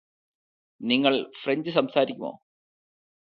നിങ്ങള് ഫ്രഞ്ച് സംസാരിക്കുമോ